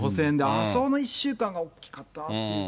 あそこの１週間は大きかったなっていう。